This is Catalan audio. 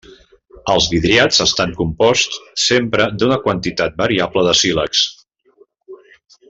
Els vidriats estan composts sempre d'una quantitat variable de sílex.